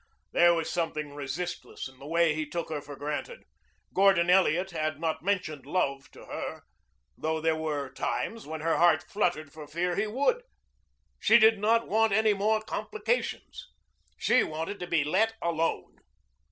There was something resistless in the way he took her for granted. Gordon Elliot had not mentioned love to her, though there were times when her heart fluttered for fear he would. She did not want any more complications. She wanted to be let alone.